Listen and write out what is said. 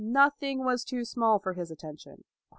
Nothing was too small for his attention.